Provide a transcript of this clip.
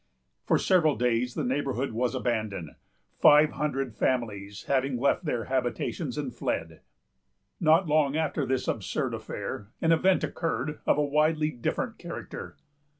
For several days the neighborhood was abandoned, five hundred families having left their habitations and fled. Not long after this absurd affair, an event occurred of a widely different character.